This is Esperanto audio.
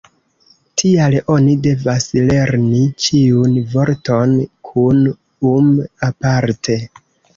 Tial oni devas lerni ĉiun vorton kun -um- aparte.